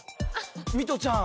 ミトちゃん。